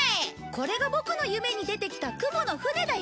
これがボクの夢に出てきた雲の舟だよ！